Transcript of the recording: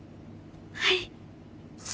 はい！